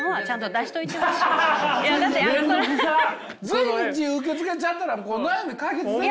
随時受け付けちゃったら悩み解決されないですよ。